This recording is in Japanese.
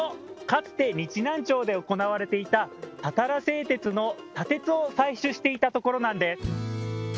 かつて日南町で行われていたたたら製鉄の砂鉄を採取していたところなんです。